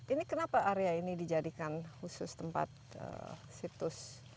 ini kenapa area ini dijadikan khusus tempat situs